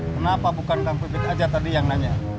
kenapa bukan bang pipit aja tadi yang nanya